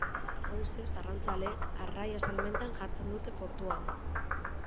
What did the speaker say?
Goizez arrantzaleek arraia salmentan jartzen dute portuan.